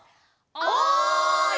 おい！